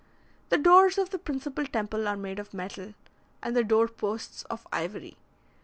The doors of the principal temple are made of metal, and the door posts of ivory.